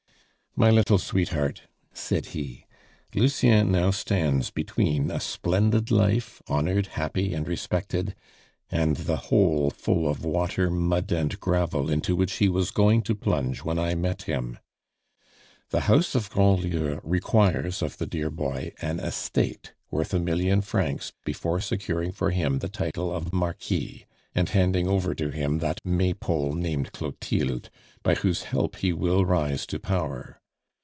"My little sweetheart," said he, "Lucien now stands between a splendid life, honored, happy, and respected, and the hole full of water, mud, and gravel into which he was going to plunge when I met him. The house of Grandlieu requires of the dear boy an estate worth a million francs before securing for him the title of Marquis, and handing over to him that may pole named Clotilde, by whose help he will rise to power.